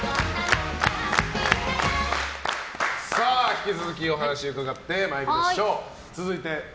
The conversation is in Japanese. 引き続きお話伺ってまいりましょう。